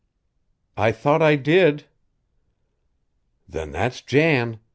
"I thought I did." "Then that's Jan.